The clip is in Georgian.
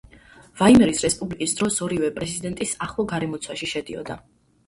ვაიმარის რესპუბლიკის დროს ორივე პრეზიდენტის ახლო გარემოცვაში შედიოდა.